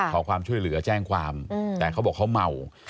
ขอความช่วยเหลือแจ้งความแต่เขาบอกเขาเมา